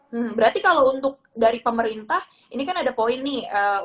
hmm berarti kalau untuk dari pemerintah ini kan ada poin nih